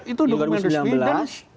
itu dokumen resmi